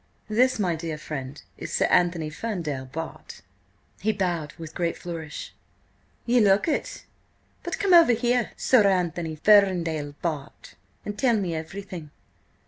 "This, my dear friend, is Sir Anthony Ferndale, Bart.!" He bowed with great flourish. "Ye look it. But come over here, Sir Anthony Ferndale, Bart., and tell me everything."